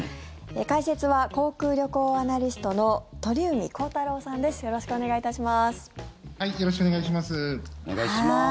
解説は航空・旅行アナリストの鳥海高太朗さんです。